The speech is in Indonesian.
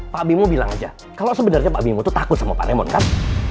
pak bimo bilang aja kalau sebenarnya pak bimo itu takut sama pak remon kan